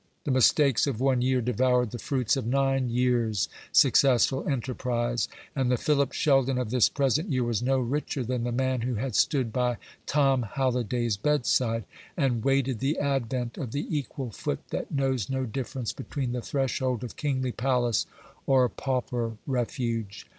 The mistakes of one year devoured the fruits of nine years' successful enterprise, and the Philip Sheldon of this present year was no richer than the man who had stood by Tom Halliday's bedside and waited the advent of the equal foot that knows no difference between the threshold of kingly palace or pauper refuge.